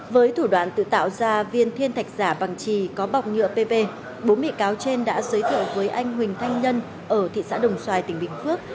với thủ đoạn tự tạo ra viên thiên thạch giả bằng trì có bọc nhựa pp bốn bị cáo trên đã giới thiệu với anh huỳnh thanh nhân ở thị xã đồng xoài tỉnh bình phước